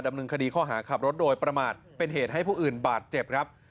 ดำเนินคดีข้อหาขับรถโดยประมาทเป็นเหตุให้ผู้อื่นบาดเจ็บครับ